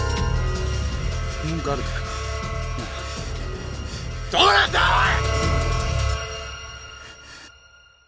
文句あるか？なぁどうなんだおい！！